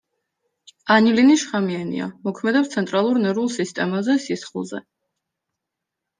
ანილინი შხამიანია, მოქმედებს ცენტრალურ ნერვულ სისტემაზე, სისხლზე.